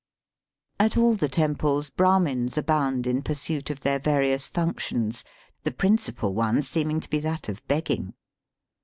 At all the temples Brahmins abound in pursuit of their various functions, the principal one seeming to be that of begging.